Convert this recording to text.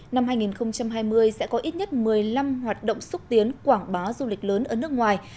năm hai nghìn hai mươi sẽ có ít nhất một mươi năm hoạt động xúc tiến quảng bá du lịch lớn ở nước ngoài